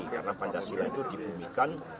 karena pancasila itu dibunuhkan